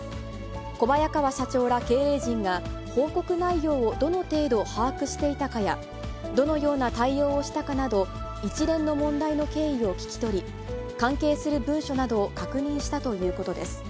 小早川社長ら経営陣が報告内容をどの程度把握していたかや、どのような対応をしたかなど、一連の問題の経緯を聞き取り、関係する文書などを確認したということです。